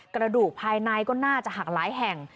กระดูกภายในก็น่าจะหักหลายแห่ง